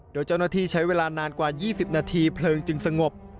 โดยเจ้าหน้าที่ใช้เวลานานกว่า๒๐นาทีเพลิงจึงสงบ